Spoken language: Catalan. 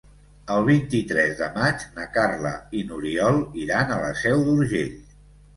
El vint-i-tres de maig na Carla i n'Oriol iran a la Seu d'Urgell.